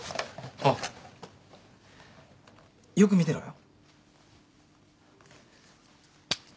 おうよく見てろよ。